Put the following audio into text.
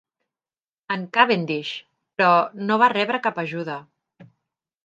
En Cavendish, però, no va rebre cap ajuda.